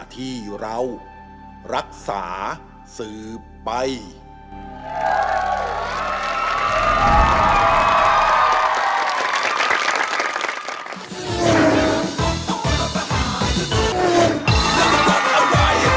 แต่คุณเฝาสมุนไพร